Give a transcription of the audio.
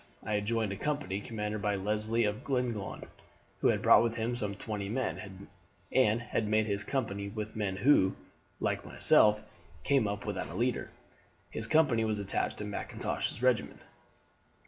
I had joined a company commanded by Leslie of Glenlyon, who had brought with him some twenty men, and had made up his company with men who, like myself, came up without a leader. His company was attached to Mackintosh's regiment.